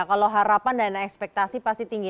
kalau harapan dan ekspektasi pasti tinggi